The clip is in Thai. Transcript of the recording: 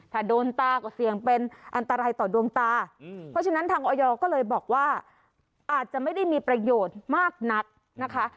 ถ้าโดนตาก็เสี่ยงเป็นอันตรายต่อดวงตาเพราะฉะนั้นทางออยก็เลยบอกว่าอาจจะไม่ได้มีประโยชน์มากนักนะคะ